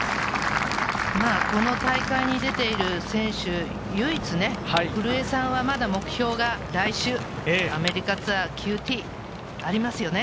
この大会に出ている選手で唯一、古江さんはまだ目標が来週、アメリカツアーＱＴ。